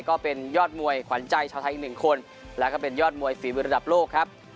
ก็เป็นยอดมวยขวัญใจชาวไทยอีกหนึ่งคนแล้วก็เป็นยอดมวยฝีมือระดับโลกครับ